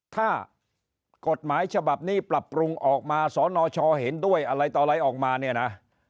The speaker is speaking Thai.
ถ้ากฎหมายฉบับนี้ปรับปรุงออกมาสนชเห็นด้วยอะไรต่ออะไรออกมาเนี่ยนะ